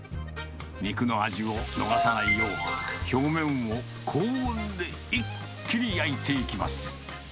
肉の味を逃さないよう、表面を高温で一気に焼いていきます。